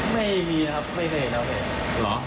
ไม่มีครับไม่มีครับ